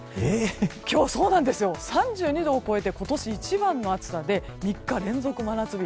今日、３２度を超えて今年一番の暑さで３日連続真夏日。